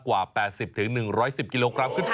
ใช่แล้วครับวันหนึ่งได้วันละกว่า๘๐๑๑๐กิโลกรัมขึ้นไป